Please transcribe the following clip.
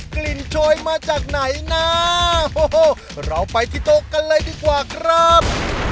กลิ่นช้อยมาจากไหนน่าเราไปที่โต๊ะกันเลยดีกว่าครับ